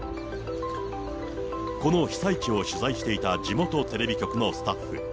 この被災地を取材していた地元テレビ局のスタッフ。